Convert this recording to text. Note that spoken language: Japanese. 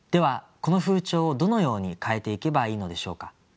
この風潮をどのように変えていけばいいのでしょうか。